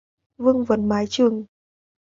Vương vấn mái trường